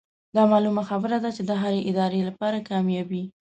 دا معلومه خبره ده چې د هرې ادارې لپاره کاميابي